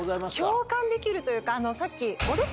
共感できるというかさっき。